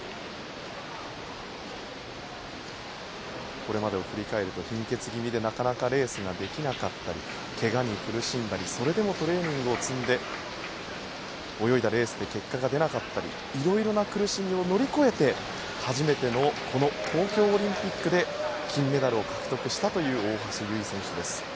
これまでを振り返ると貧血気味でなかなかレースができなかったりけがに苦しんだりそれでもトレーニングを積んで泳いだレースで結果が出なかったりいろいろな苦しみを乗り越えて、初めてのこの東京オリンピックで金メダルを獲得したという大橋悠依選手です。